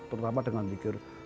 terutama dengan mikir